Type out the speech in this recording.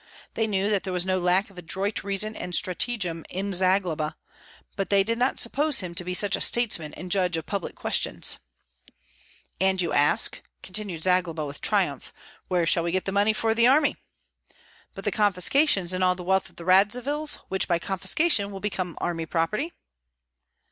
They knew that there was no lack of adroit reason and stratagem in Zagloba, but they did not suppose him to be such a statesman and judge of public questions. "And you ask," continued Zagloba, with triumph, "where we shall get money for the army? But the confiscations, and all the wealth of the Radzivills, which by confiscation will become army property?"